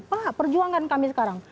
pak perjuangkan kami sekarang